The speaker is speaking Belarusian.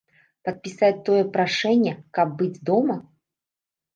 Падпісаць тое прашэнне, каб быць дома?